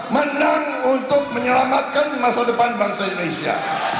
menang untuk menyelamatkan masa depan bangsa indonesia